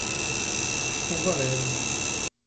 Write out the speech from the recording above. São Valério